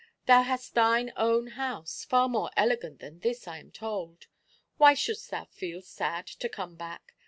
Thou hast thine own house, far more elegant than this, I am told: why shouldst thou feel sad to come back?